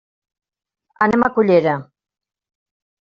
Anem a Cullera.